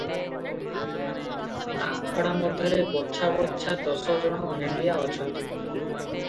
ଆଖଡା ମଧ୍ୟରେ ବଛା ବଛା ଦଶଜଣ ଭେଣ୍ଡିଆ ଅଛନ୍ତି ।